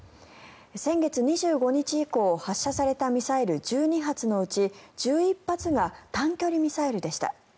先月２５日以降発射されたミサイル１２発のうち１１発が短距離ミサイルでした。